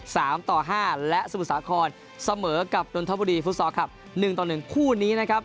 สามต่อห้าและสมุทรสาครเสมอกับดนทบุรีฟุตซอลคลับหนึ่งต่อหนึ่งคู่นี้นะครับ